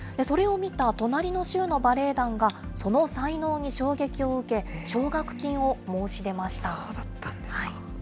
それを見た隣の州のバレエ団が、その才能に衝撃を受け、そうだったんですか。